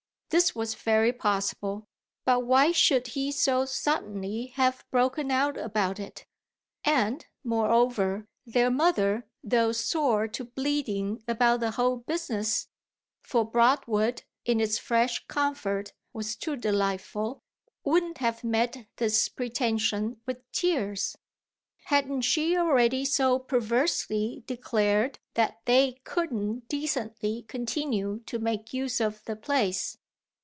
This was very possible, but why should he so suddenly have broken out about it? And, moreover, their mother, though sore to bleeding about the whole business for Broadwood, in its fresh comfort, was too delightful wouldn't have met this pretension with tears: hadn't she already so perversely declared that they couldn't decently continue to make use of the place?